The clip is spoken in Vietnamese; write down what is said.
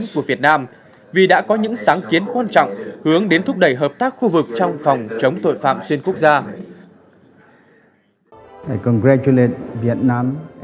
của việt nam vì đã có những sáng kiến quan trọng hướng đến thúc đẩy hợp tác khu vực trong phòng chống tội phạm xuyên quốc gia